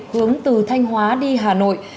hướng từ thanh hóa đi hà nội